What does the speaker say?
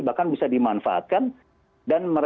bahkan bisa dimanfaatkan